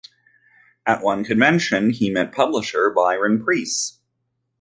At one convention he met publisher Byron Preiss.